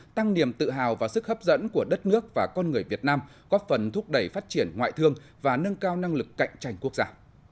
tăng niềm tự hào và sức hấp dẫn của đất nước và con người việt nam góp phần thúc đẩy phát triển ngoại thương và nâng cao năng lực cạnh tranh quốc gia